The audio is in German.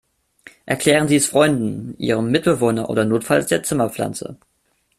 Erklären Sie es Freunden, ihrem Mitbewohner oder notfalls der Zimmerpflanze.